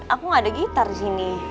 aku gak ada gitar disini